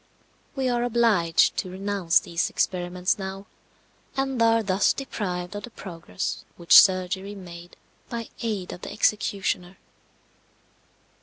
We are obliged to renounce these experiments now, and are thus deprived of the progress which surgery made by aid of the executioner.